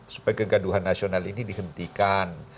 supaya kegaduhan nasional ini dihentikan